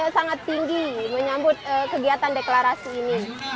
sangat tinggi menyambut kegiatan deklarasi ini